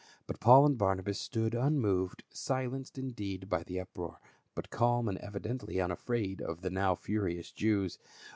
But Paul and Barnabas stood unmoved, silenced indeed by the uproar, but calm and evidently unafraid of the now furious Jews.